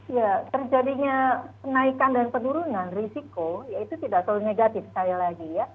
ya terjadinya penaikan dan penurunan risiko ya itu tidak terlalu negatif sekali lagi ya